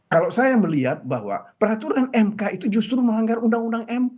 kalau saya melihat bahwa peraturan mk itu justru melanggar undang undang mk